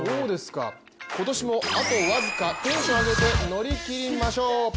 今年もあと僅かテンション上げて乗り切りましょう。